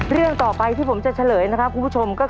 เรื่องต่อไปที่ผมจะเฉลยนะครับคุณผู้ชมก็คือ